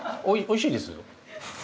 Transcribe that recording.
おいしいです。